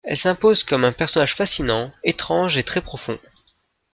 Elle s'impose comme un personnage fascinant, étrange et très profond.